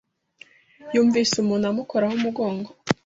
Yumvise umuntu amukoraho umugongo.